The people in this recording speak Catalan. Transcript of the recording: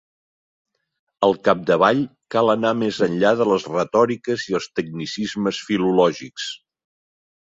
Al capdavall, cal anar més enllà de les retòriques i els tecnicismes filològics.